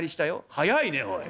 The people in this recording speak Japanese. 「早いねおい！